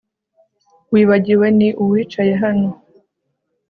Wibagiwe ni uwicaye hano